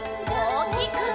おおきく！